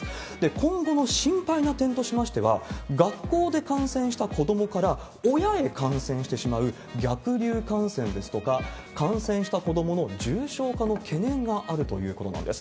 今後の心配な点としましては、学校で感染した子どもから親へ感染してしまう逆流感染ですとか、感染した子どもの重症化の懸念があるということなんです。